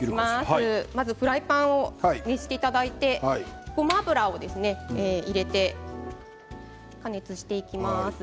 まずフライパンを熱していただいてごま油を入れて加熱していきます。